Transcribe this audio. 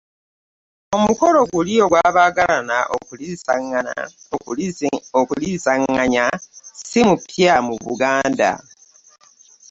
Omukolo guli ogw’abaagalana okuliisaganya ssi mupya mu Buganda.